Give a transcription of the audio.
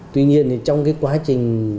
tuy nhiên thì trong cái quá trình